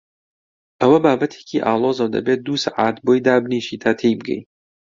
ئەوە بابەتێکی ئاڵۆزە و دەبێ دوو سەعات بۆی دابنیشی تا تێی بگەی.